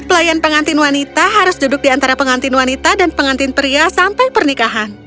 pelayan pengantin wanita harus duduk di antara pengantin wanita dan pengantin pria sampai pernikahan